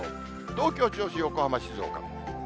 東京、銚子、横浜、静岡。